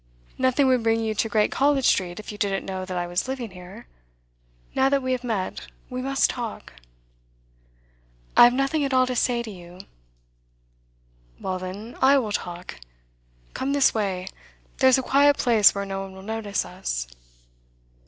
'Nothing would bring you to Great College Street if you didn't know that I was living here. Now that we have met, we must talk.' 'I have nothing at all to say to you.' 'Well, then I will talk. Come this way; there's a quiet place where no one will notice us.